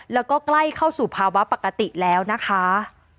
แล้วก็ใกล้เข้าสู่ภาวะปกติแล้วนะคะ